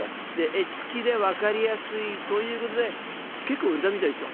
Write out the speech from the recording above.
絵付きで分かりやすいということで結構売れたみたいですよ。